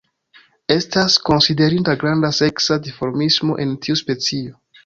Estas konsiderinda granda seksa dimorfismo en tiu specio.